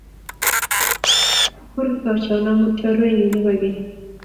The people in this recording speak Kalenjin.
Korutochon amut chorwennyu nepo keny.